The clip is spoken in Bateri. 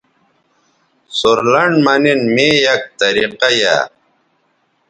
سورلنڈ مہ نِن می یک طریقہ یائ